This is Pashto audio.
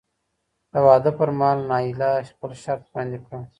د واده پر مهال نایله خپل شرط وړاندې کړ.